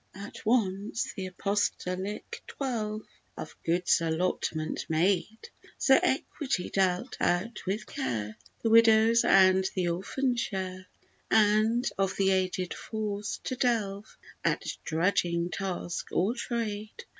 As once the apostolic twelve Of goods allotment made, So equity dealt out with care The widow's and the orphan's share, And of the aged forced to delve At drudging task or trade.